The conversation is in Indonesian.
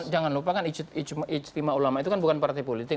jangan lupa kan ijtima ulama itu kan bukan partai politik